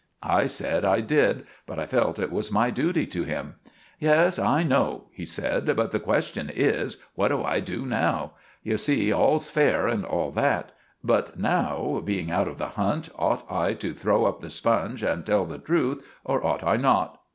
I said I did, but I felt it was my duty to him. "Yes, I know," he said; "but the question is, What do I do now? You see 'all's fair' and all that; but now, being out of the hunt, ought I to throw up the sponge and tell the truth, or ought I not?"